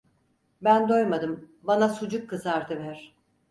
Ben doymadım, bana sucuk kızartıver!